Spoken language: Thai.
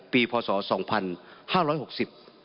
ปีพศ๒๕๖๐